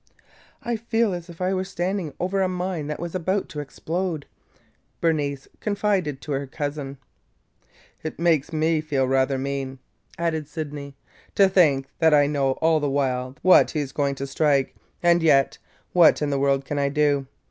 "I feel as if I were standing over a mine that was just about to explode!" Bernice confided to her cousin. "It makes me feel rather mean," added Sydney, "to think I know all the while what he 's going to strike, and yet what in the world can I do?